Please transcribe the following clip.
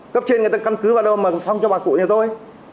cấp trên người ta căn cứ vào đâu mà phong cho bà cụ nhà tôi